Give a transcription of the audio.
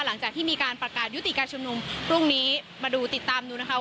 หลังจากที่มีการประกาศยุติการชุมนุมพรุ่งนี้มาดูติดตามดูนะคะ